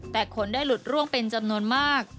แต่ขนได้หลุดร่วงเป็นจำนวนมาก